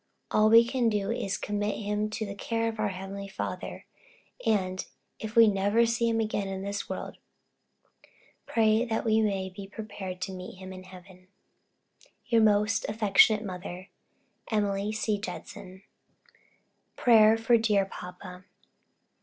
All we can do is to commit him to the care of our heavenly Father, and, if we never see him again in this world, pray that we may be prepared to meet him in heaven Your most affectionate mother, Emily C. Judson PRAYER FOR DEAR PAPA.